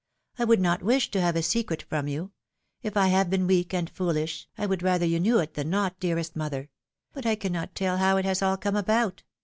I would not wish to have a secret from you. If I have been weak and foolish, I would rather you knew it than not, dearest mother ! but I cannot tell how it has all come about.